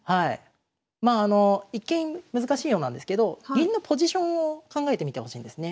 まああの一見難しいようなんですけど銀のポジションを考えてみてほしいんですね。